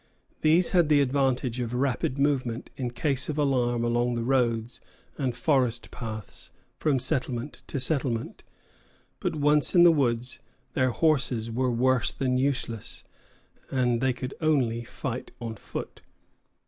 These had the advantage of rapid movement in case of alarm along the roads and forest paths from settlement to settlement; but once in the woods, their horses were worse than useless, and they could only fight on foot.